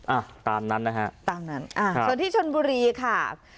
อ่ะตามนั้นนะฮะตามนั้นอ่าส่วนที่ชนบุรีค่ะ